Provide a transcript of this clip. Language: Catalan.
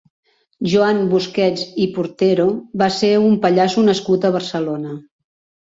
Joan Busquets i Portero va ser un pallasso nascut a Barcelona.